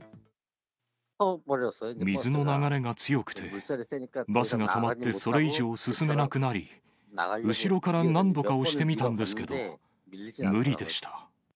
水の流れが強くて、バスが止まって、それ以上進めなくなり、後ろから何度か押してみたんですけれども、無理でした。